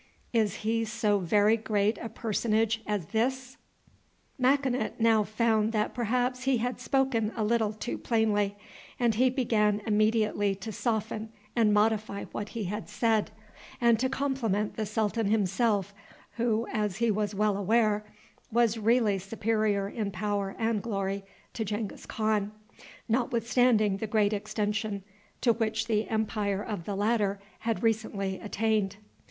Is he so very great a personage as this?" Makinut now found that perhaps he had spoken a little too plainly, and he began immediately to soften and modify what he had said, and to compliment the sultan himself, who, as he was well aware, was really superior in power and glory to Genghis Khan, notwithstanding the great extension to which the empire of the latter had recently attained.